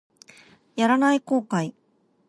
やらない後悔